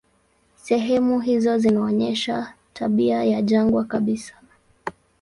Sehemu hizo zinaonyesha tabia ya jangwa kabisa.